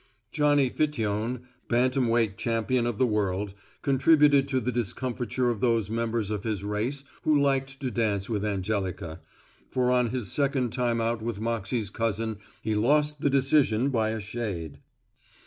Johnny Fiteon, bantamweight champion of the world, contributed to the discomforture of those members of his race who liked to dance with Angelica, for on his second time out with Moxey's cousin he lost the decision by a shade.